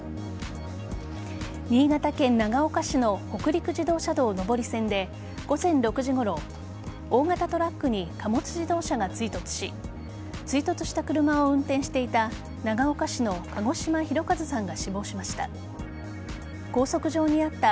新潟県長岡市の北陸自動車道上り線で午前６時ごろ大型トラックに貨物自動車が追突し追突した車を運転していた長岡市の鹿兒島広和さんが死亡しました。